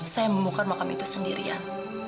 saya membuka makam itu sendirian